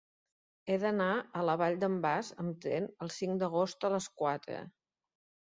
He d'anar a la Vall d'en Bas amb tren el cinc d'agost a les quatre.